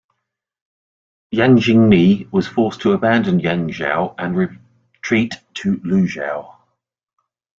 Yang Xingmi was forced to abandon Yangzhou and retreat to Luzhou.